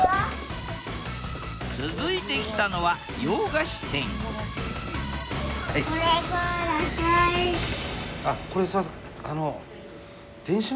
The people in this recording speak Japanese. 続いて来たのは洋菓子店これすいませんあの。